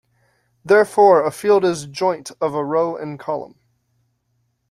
Therefore, a field is joint of a row and column.